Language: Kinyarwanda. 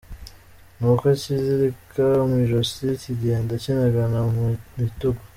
Nuko akizirika mu ijosi, kigenda kinagana mu bitugu.